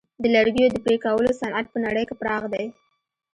د لرګیو د پرې کولو صنعت په نړۍ کې پراخ دی.